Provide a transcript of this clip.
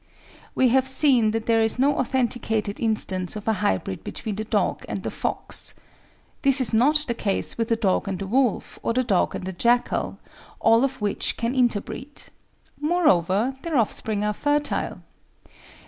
We have seen that there is no authenticated instance of a hybrid between the dog and the fox. This is not the case with the dog and the wolf, or the dog and the jackal, all of which can interbreed. Moreover, their offspring are fertile.